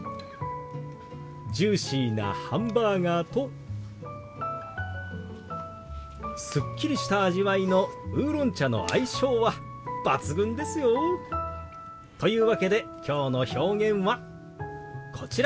ジューシーなハンバーガーとすっきりした味わいのウーロン茶の相性は抜群ですよ。というわけできょうの表現はこちら。